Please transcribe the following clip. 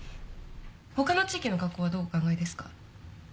他の地域の学校はどうお考えですか？